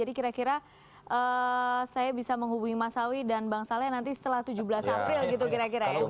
jadi kira kira saya bisa menghubungi masawi dan bang saleh nanti setelah tujuh belas april gitu kira kira ya